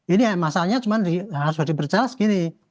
ini masalahnya cuma harus diberjelas gini